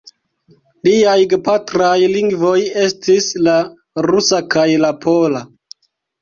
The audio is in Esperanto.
Liaj gepatraj lingvoj estis la rusa kaj la pola.